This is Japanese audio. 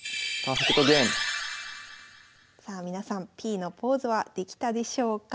さあ皆さんＰのポーズはできたでしょうか？